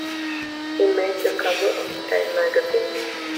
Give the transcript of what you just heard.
He made the cover of "Time" magazine.